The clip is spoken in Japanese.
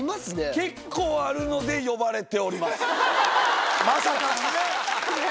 結構あるので、呼ばれておりまさかのね。